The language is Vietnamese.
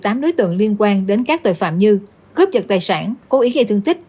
công an đã bắt một mươi tám đối tượng liên quan đến các tội phạm như cướp dật tài sản cố ý gây thương tích